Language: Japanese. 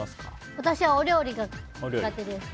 私はお料理が苦手です。